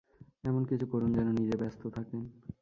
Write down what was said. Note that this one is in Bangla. এমন-কিছু করুন যেন নিজে ব্যস্ত থাকেন।